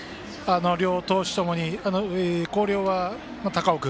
両投手ともに、広陵は高尾君。